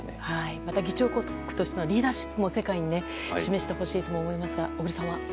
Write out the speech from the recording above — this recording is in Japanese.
また議長国としてのリーダーシップを世界に示してほしいですが小栗さんは。